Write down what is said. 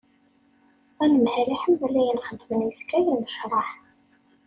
Anemhal iḥemmel ayen xeddmeɣ yezga yennecraḥ.